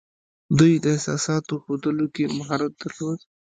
دوی د احساساتو ښودلو کې مهارت درلود